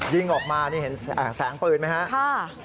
ยิงออกมานี่เห็นแสงเปิดไหมคะ